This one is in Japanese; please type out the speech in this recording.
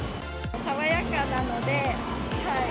爽やかなので。